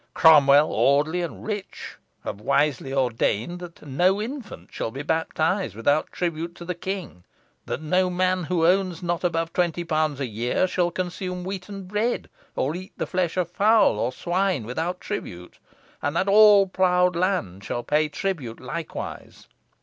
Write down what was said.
"Cromwell, Audeley, and Rich, have wisely ordained that no infant shall be baptised without tribute to the king; that no man who owns not above twenty pounds a year shall consume wheaten bread, or eat the flesh of fowl or swine without tribute; and that all ploughed land shall pay tribute likewise.